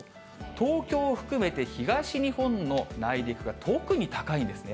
東京を含めて東日本の内陸が特に高いんですね。